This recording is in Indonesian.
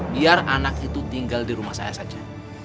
biar anak itu tinggal di rumah saya saja